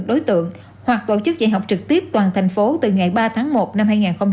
đối tượng hoặc tổ chức dạy học trực tiếp toàn thành phố từ ngày ba tháng một năm hai nghìn hai mươi